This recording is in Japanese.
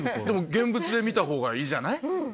でも現物で見たほうがいいじゃない。